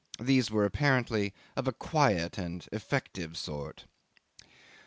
These were apparently of a quiet and effective sort.